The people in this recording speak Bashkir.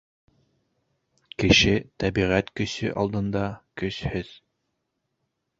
Кеше тәбиғәт көсө алдында көсһөҙ!